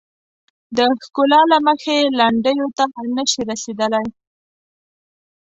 د ښکلا له مخې لنډیو ته نه شي رسیدلای.